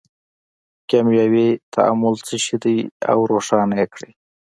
کیمیاوي تعامل څه شی دی او روښانه یې کړئ.